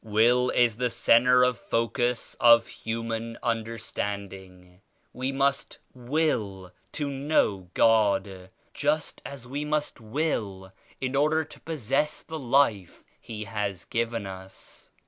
Will is the centre or focus of human understanding. We must will to know God, just as we must will in order to possess the life He has given us.